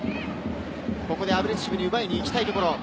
ここでアグレッシブに奪いに行きたいところ。